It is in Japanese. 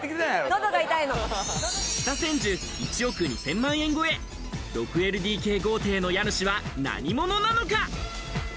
北千住１億２０００万円超え、６ＬＤＫ豪邸の家主は何者なのか？